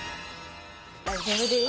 大丈夫です！